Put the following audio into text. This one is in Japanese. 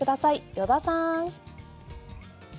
依田さん。